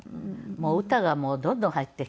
もう歌がどんどん入ってきて。